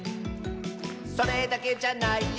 「それだけじゃないよ」